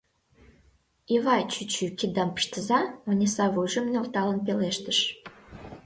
— Ивай чӱчӱ, киддам пыштыза, — Ониса вуйжым нӧлталын пелештыш.